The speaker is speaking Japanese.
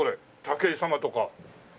「武井様」とか。